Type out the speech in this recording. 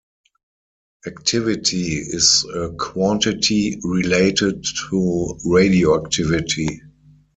Activity is a quantity related to radioactivity.